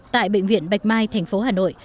tại bệnh viện bạch mai thành phố hà nội